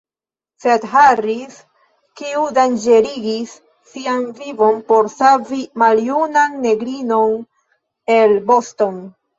Sed Harris, kiu danĝerigis sian vivon por savi maljunan negrinon el Boston!